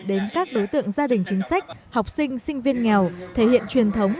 đến các đối tượng gia đình chính sách học sinh sinh viên nghèo thể hiện truyền thống